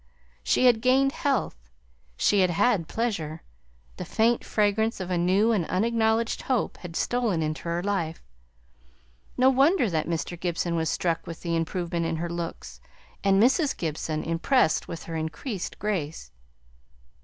She had gained health, she had had pleasure, the faint fragrance of a new and unacknowledged hope had stolen into her life. No wonder that Mr. Gibson was struck with the improvement in her looks, and Mrs. Gibson impressed with her increased grace.